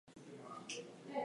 His mother is not known.